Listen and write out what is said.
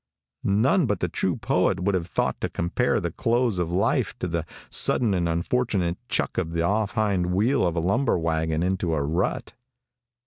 Hone but the true poet would have thought to compare the close of life to the sudden and unfortunate chuck of the off hind wheel of a lumber wagon into a rut.